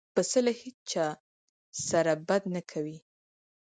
پسه له هیڅ چا سره بد نه کوي.